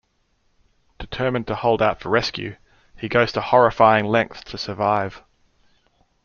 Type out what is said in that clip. Determined to hold out for rescue, he goes to horrifying lengths to survive.